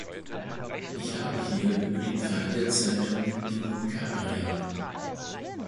Ich habe hier über den Fall der Zeitung Egunkaria.